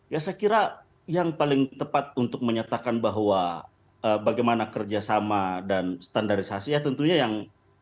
ya saya kira yang paling tepat untuk menyatakan bahwa bagaimana kerjasama dan standarisasi ya tentunya yang